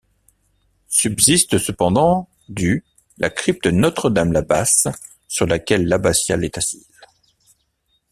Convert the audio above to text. Subsiste cependant du la crypte Notre-Dame-la-basse sur laquelle l'abbatiale est assise.